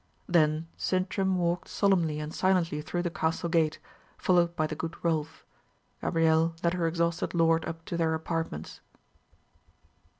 Then Sintram walked solemnly and silently through the castle gate, followed by the good Rolf. Gabrielle led her exhausted lord up to their apartments.